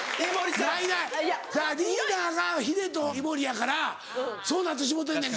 ないないリーダーがヒデと井森やからそうなってしもうてんねん。